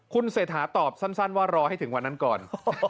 คุณเศรษฐาตอบสั้นว่ารอให้ถึงวันนั้นก่อน